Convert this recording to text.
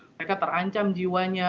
mereka terancam jiwanya